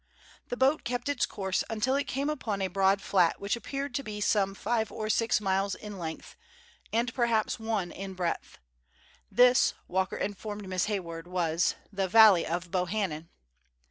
The boat kept its course until it came upon a broad flat which appeared to be some five or six miles in length, and perhaps one in breadth. This, Walker informed Miss Hayward, was the "Valley of Bohannan!"